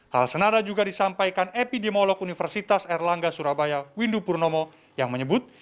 hal senada juga disampaikan epidemiolog universitas erlangga surabaya windu purnomo yang menyebut